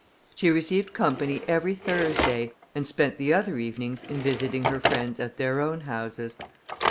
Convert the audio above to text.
She received company every Thursday, and spent the other evenings in visiting her friends at their own houses.